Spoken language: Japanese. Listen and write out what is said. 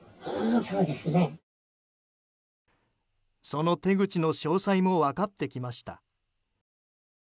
その手口の詳細も分かってきました。